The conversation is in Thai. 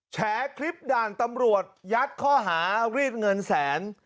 แฉคลิปด่านตำรวจยัดข้อหารีดเงินแสน